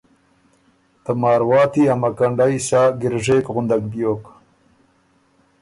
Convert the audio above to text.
ته مارواتی ا مکنډئ سا ګِرژېک غندک بیوک،